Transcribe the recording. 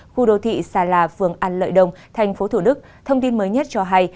khu đô thị sala phường an lợi đông tp thủ đức thông tin mới nhất cho hay